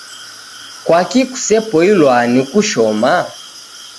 Kwaki kusepoilwa ni kushoma?